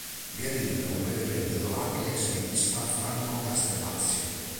Vi aderì per un breve periodo anche l'ex leghista Franco Castellazzi.